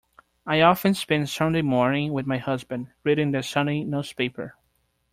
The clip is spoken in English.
I often spend Sunday morning with my husband, reading the Sunday newspaper